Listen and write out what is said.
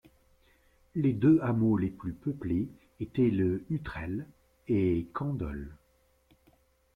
Les deux hameaux les plus peuplés étaient Le Hutrel et Candol.